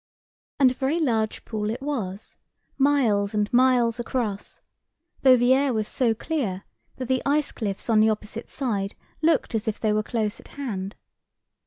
And a very large pool it was, miles and miles across, though the air was so clear that the ice cliffs on the opposite side looked as if they were close at hand.